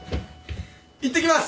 いってきます！